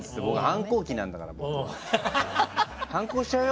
反抗期なんだからって。